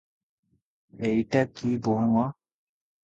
ଏଇଟା କି ବୋହୂ ମ!